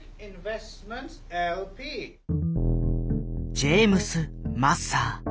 ジェームス・マッサー。